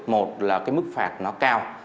một là cái mức phạt nó cao